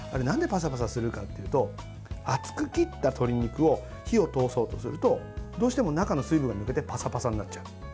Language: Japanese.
パサパサするかっていうと厚く切った鶏肉を火を通そうとするとどうしても中の水分が抜けてパサパサになっちゃう。